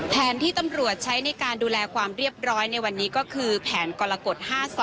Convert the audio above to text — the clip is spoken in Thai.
แผนที่ตำรวจใช้ในการดูแลความเรียบร้อยในวันนี้ก็คือแผนกรกฎ๕๒